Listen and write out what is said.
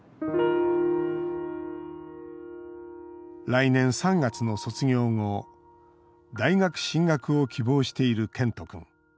来年３月の卒業後大学進学を希望している健人君。